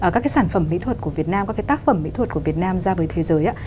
các cái sản phẩm mỹ thuật của việt nam các cái tác phẩm mỹ thuật của việt nam ra với thế giới